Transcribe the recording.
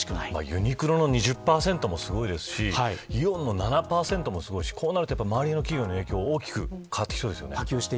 ユニクロの２０％もすごいですしイオンの７％もすごいし周りの企業の影響が大きく変わってきそうですね。